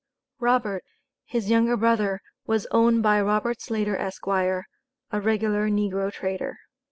Robert, his younger brother, was owned by Robert Slater, Esq., a regular negro trader.